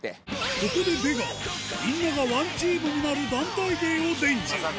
ここで出川みんながワンチームになるまさか。